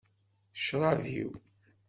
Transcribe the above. D ccrab-iw.